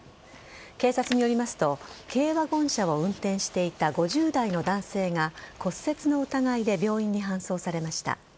警察によりますと軽ワゴン車を運転していた５０代の男性が骨折の疑いで病院に搬送されました。